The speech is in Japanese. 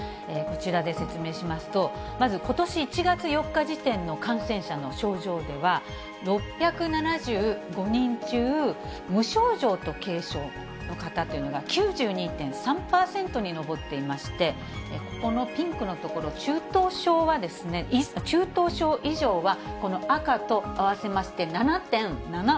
こちらで説明しますと、まず、ことし１月４日時点の感染者の症状では、６７５人中、無症状と軽症の方というのが９２．３％に上っていまして、ここのピンクの所、中等症以上は、この赤と合わせまして、７．７％。